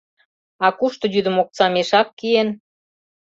А кушто йӱдым окса мешак киен?